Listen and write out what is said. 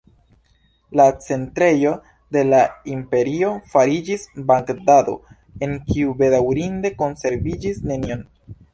La centrejo de la imperio fariĝis Bagdado, en kiu bedaŭrinde konserviĝis neniom.